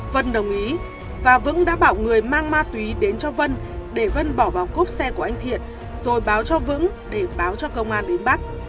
vân đồng ý và vững đã bảo người mang ma túy đến cho vân để vân bỏ vào cốp xe của anh thiện rồi báo cho vững để báo cho công an đến bắt